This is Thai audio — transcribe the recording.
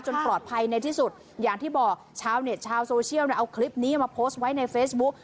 ปลอดภัยในที่สุดอย่างที่บอกชาวเน็ตชาวโซเชียลเอาคลิปนี้มาโพสต์ไว้ในเฟซบุ๊ค